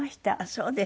そうですか。